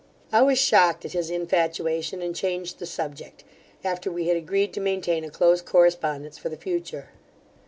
I was shocked at his infatuation, and changed the subject, after we had agreed to maintain a close correspondence for the future.